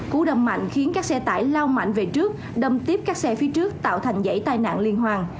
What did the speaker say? cú đâm mạnh khiến các xe tải lao mạnh về trước đâm tiếp các xe phía trước tạo thành dãy tai nạn liên hoàn